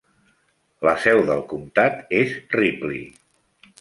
El seu del comtat és Ripley.